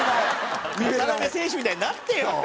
渡邊選手みたいになってよ。